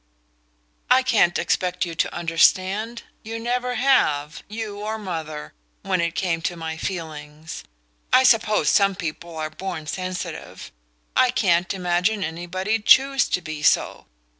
"I can't expect you to understand you never HAVE, you or mother, when it came to my feelings. I suppose some people are born sensitive I can't imagine anybody'd CHOOSE to be so.